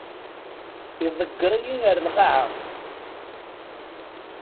Iḍegger-iyi ar lqaɛa.